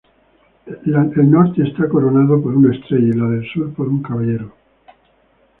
La norte está coronada por una estrella y la del sur por un caballero.